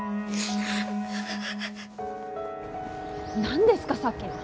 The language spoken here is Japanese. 何ですかさっきの。